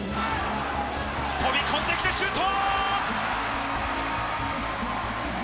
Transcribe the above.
飛び込んできてシュート！